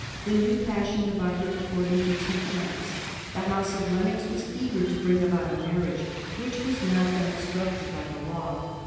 The new passion divided the Court into two camps. The House of Lennox was eager to bring about a marriage, which was not then obstructed by the law.